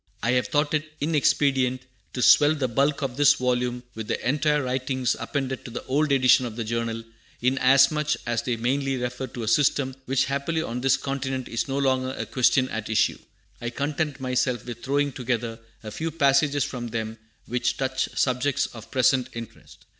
I have thought it inexpedient to swell the bulk of this volume with the entire writings appended to the old edition of the Journal, inasmuch as they mainly refer to a system which happily on this continent is no longer a question at issue. I content myself with throwing together a few passages from them which touch subjects of present interest.